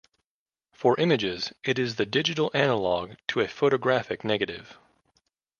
For images, it is the digital analogue to a photographic negative.